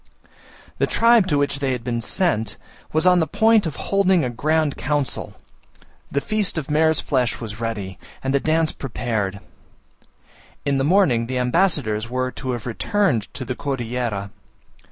The tribe to which they had been sent was on the point of holding a grand council, the feast of mare's flesh was ready, and the dance prepared: in the morning the ambassadors were to have returned to the Cordillera.